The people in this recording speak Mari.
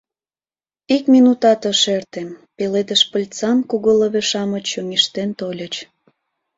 Ик минутат ыш эрте — пеледыш пыльцан кугу лыве-шамыч чоҥештен тольыч.